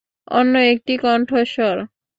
অন্য একটি কন্ঠস্বর।